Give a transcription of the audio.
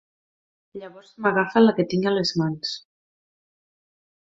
Llavors m'agafa la que tinc a les mans.